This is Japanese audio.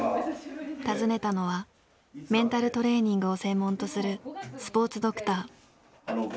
訪ねたのはメンタルトレーニングを専門とするスポーツドクター。